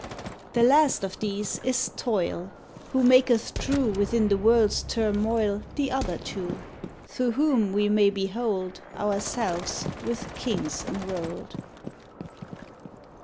The last of these is Toil, Who maketh true, Within the world's turmoil The other two; Through whom we may behold Ourselves with kings enrolled.